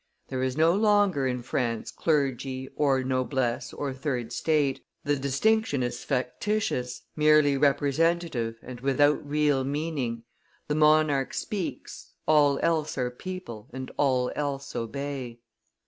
There is no longer in France clergy, or noblesse, or third estate; the distinction is factitious, merely representative and without real meaning; the monarch speaks, all else are people, and all else obey.